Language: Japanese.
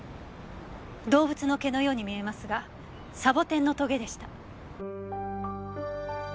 動物の毛のように見えますがサボテンのトゲでした。